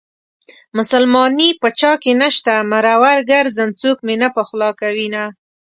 مسلماني په چاكې نشته مرور ګرځم څوك مې نه پخولاكوينه